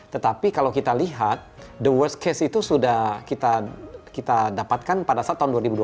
tetapi kalau kita lihat the worst case itu sudah kita dapatkan pada saat tahun dua ribu dua puluh